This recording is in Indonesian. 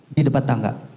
di depan tangga